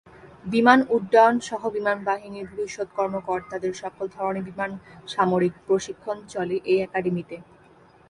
বিমান উড্ডয়ন সহ বিমান বাহিনীর ভবিষ্যৎ কর্মকর্তাদের সকল ধরনের বিমান সামরিক প্রশিক্ষণ চলে এই একাডেমীতে।